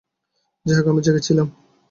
যাই হোক, আমি জেগে ছিলাম।